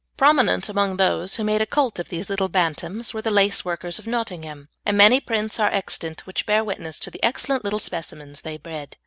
Prominent among those who made a cult of these "bantams" were the laceworkers of Nottingham, and many prints are extant which bear witness to the excellent little specimens they bred.